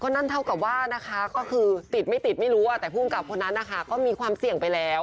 นั่นเท่ากับว่านะคะก็คือติดไม่ติดไม่รู้แต่ภูมิกับคนนั้นนะคะก็มีความเสี่ยงไปแล้ว